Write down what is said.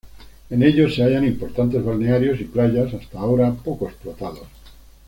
En ellos se hallan importantes balnearios y playas, hasta ahora poco explotados.